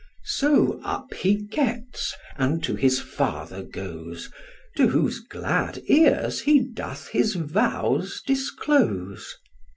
So up he gets, and to his father goes, To whose glad ears he doth his vows disclose.